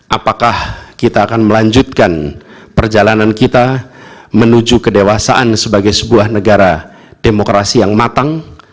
apakah kita akan melanjutkan perjalanan kita menuju kedewasaan sebagai sebuah negara demokrasi yang matang